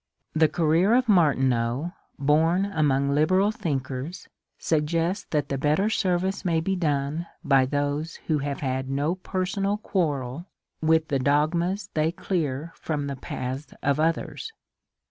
The career of Martineau, born among liberal thinkers, suggests that the better service may be done by those who have had no personal quarrel with the dogmas they clear from the paths of others.